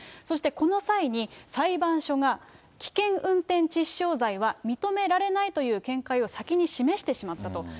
そしてこの際に、裁判所が、危険運転致死傷罪は認められないという見解を先に示してしまったと。